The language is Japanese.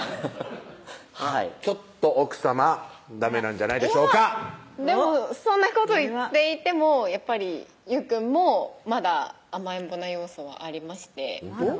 はいちょっと奥さまダメなんじゃないでしょうかでもそんなこと言っていてもやっぱり優くんもまだ甘えん坊な要素はありましてまだ？